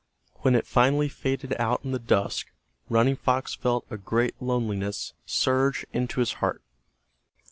When it finally faded out in the dusk Running Fox felt a great loneliness surge into his heart.